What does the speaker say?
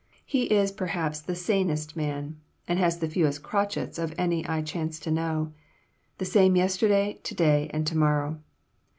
He is perhaps the sanest man and has the fewest crotchets of any I chance to know, the same yesterday, to day, and to morrow.